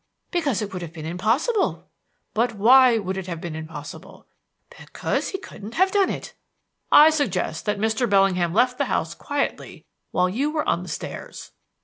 "Because it would have been impossible." "But why would it have been impossible?" "Because he couldn't have done it." "I suggest that Mr. Bellingham left the house quietly while you were on the stairs?"